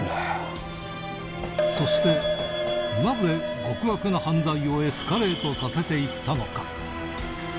そしてなぜ極悪な犯罪をエスカレートさせて行ったのか？